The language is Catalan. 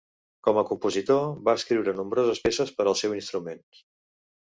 Com a compositor, va escriure nombroses peces per al seu instrument.